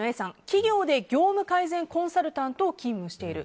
企業で業務改善コンサルタントに勤務している。